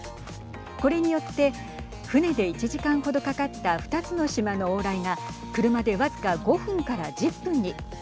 これによって船で１時間程かかった２つの島の往来が車で僅か５分から１０分に。